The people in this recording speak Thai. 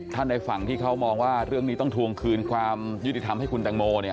ในฝั่งที่เขามองว่าเรื่องนี้ต้องทวงคืนความยุติธรรมให้คุณแตงโม